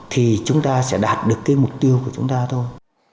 thì chúng ta sẽ đạt được cái mục tiêu của chúng ta thôi